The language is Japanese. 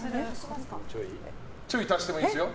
ちょい足してもいいですよ。